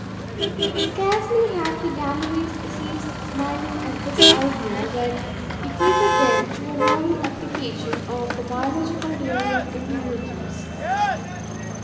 Scarcely had the galleries ceased smiling at this idea when he treated them to a novel application of the biological theory of inheritance.